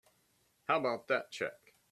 How about that check?